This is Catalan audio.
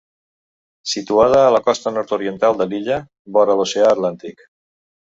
Situada a la costa nord-oriental de l'illa, vora l'Oceà Atlàntic.